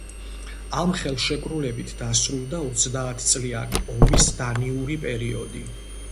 ამ ხელშეკრულებით დასრულდა ოცდაათწლიანი ომის დანიური პერიოდი.